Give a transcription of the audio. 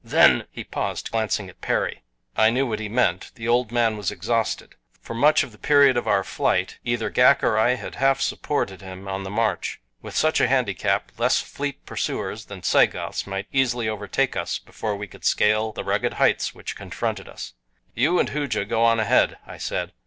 Then " he paused, glancing at Perry. I knew what he meant. The old man was exhausted. For much of the period of our flight either Ghak or I had half supported him on the march. With such a handicap, less fleet pursuers than the Sagoths might easily overtake us before we could scale the rugged heights which confronted us. "You and Hooja go on ahead," I said.